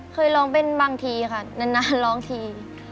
เคยร้องเป็นบางทีค่ะนานร้องที